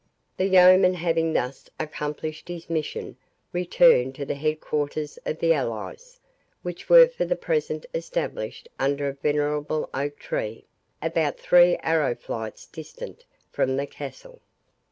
The yeoman having thus accomplished his mission, returned to the head quarters of the allies, which were for the present established under a venerable oak tree, about three arrow flights distant from the castle.